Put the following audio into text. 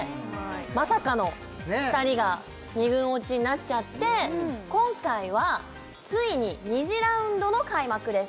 まさかの２人が２軍落ちになっちゃって今回はついに２次ラウンドの開幕です